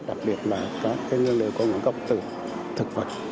đặc biệt là các nguyên liệu có nguồn gốc từ